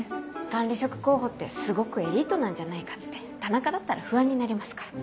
管理職候補ってすごくエリートなんじゃないかって田中だったら不安になりますから。